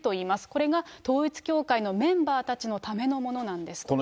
これが統一教会のメンバーたちのためのものなんですと。